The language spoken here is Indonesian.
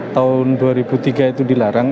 tahun dua ribu tiga itu dilarang